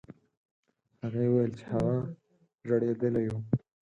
هغې وویل چې هغه ژړېدلی و.